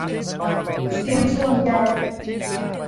เสียงส่วนใหญ่